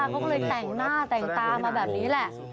เขาก็เลยแต่งหน้าแต่งตามาแบบนี้แหละ